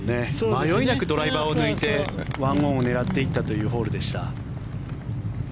迷いなくドライバーを抜いて１オンを狙っていったというホールでした。